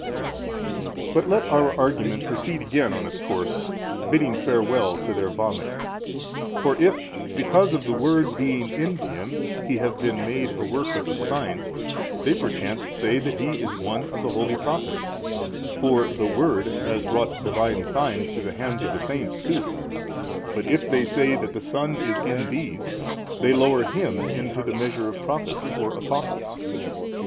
But let our argument proceed again on its course, bidding farewell to their vomit. For if, because of the Word being in him, he have been made a worker of signs, they perchance say that he is one of the holy Prophets, for [the Word] has wrought Divine signs through the hands of the saints too: but if they say that the Son is in these, they lower Him into the measure of Prophets or Apostles.